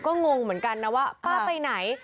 ก็งงเหมือนกันนะว่าป้าไปไหน